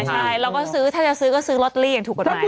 ใช่เราก็ซื้อถ้าจะซื้อก็ซื้อลอตเตอรี่อย่างถูกกฎหมาย